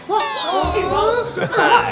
beliau adalah seorang duta besar amerika